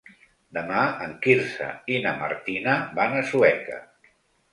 Demà en Quirze i na Martina van a Sueca.